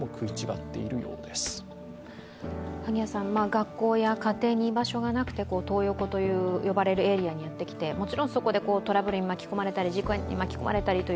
学校や家庭に居場所がなくてトー横と呼ばれるエリアにやってきてもちろんそこでトラブルに巻き込まれたり、事故に巻き込まれたりと